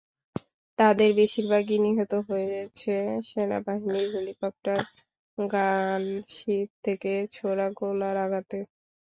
তাদের বেশির ভাগই নিহত হয়েছে সেনাবাহিনীর হেলিকপ্টার গানশিপ থেকে ছোড়া গোলার আঘাতে।